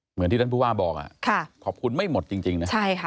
เหมือนที่ท่านผู้ว่าบอกขอบคุณไม่หมดจริงนะ